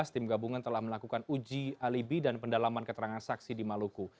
tim gabungan telah melakukan uji alibi dan pendalaman keterangan saksi di maluku